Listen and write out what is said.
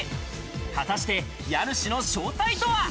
果たして家主の正体とは？